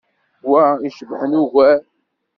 Wa i icebḥen ugar.